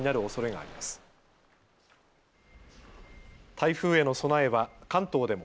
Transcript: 台風への備えは関東でも。